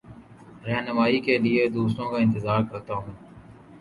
رہنمائ کے لیے دوسروں کا انتظار کرتا ہوں